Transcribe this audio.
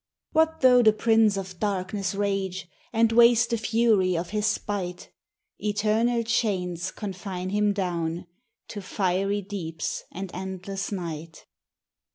J 3 [What tho' the prince of darkness rage. And waste the tury of Ws spite. Eternal chains confine him down To fitfy deeps and endleaa night.